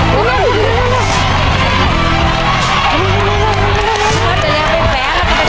ครอบครัวของแม่ปุ้ยจังหวัดสะแก้วนะครับ